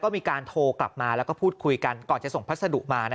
มีการโทรกลับมาแล้วก็พูดคุยกันก่อนจะส่งพัสดุมา